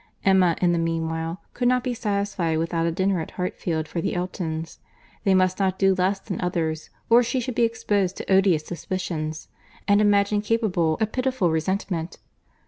Emma, in the meanwhile, could not be satisfied without a dinner at Hartfield for the Eltons. They must not do less than others, or she should be exposed to odious suspicions, and imagined capable of pitiful resentment.